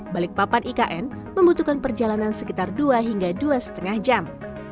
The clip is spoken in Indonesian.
balikpapan ikn membutuhkan perjalanan sekitar dua hingga dua lima jam